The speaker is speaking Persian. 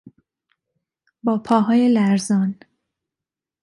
با پاهای لرزان